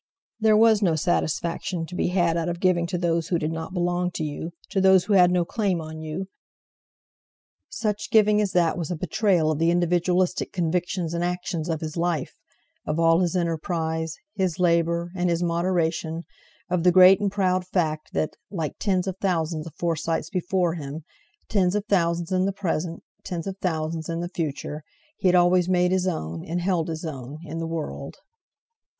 There was no such satisfaction to be had out of giving to those who did not belong to you, to those who had no claim on you! Such giving as that was a betrayal of the individualistic convictions and actions of his life, of all his enterprise, his labour, and his moderation, of the great and proud fact that, like tens of thousands of Forsytes before him, tens of thousands in the present, tens of thousands in the future, he had always made his own, and held his own, in the world.